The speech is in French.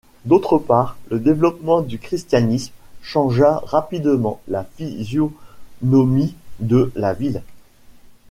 D'autre part, le développement du christianisme changea rapidement la physionomie de la ville.